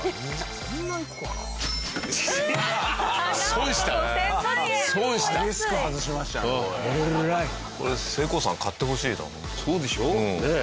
そうでしょ？ねえ。